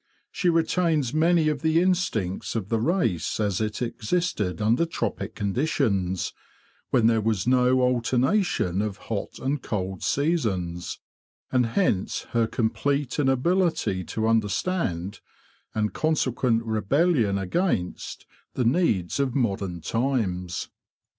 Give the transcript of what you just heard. She retains many of the instincts of the race as it existed under tropic conditions, when there was no alternation of hot and cold seasons; and hence her complete inability to understand, and consequent rebellion against the needs of modern times.